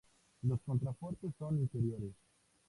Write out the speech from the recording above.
Los contrafuertes son interiores.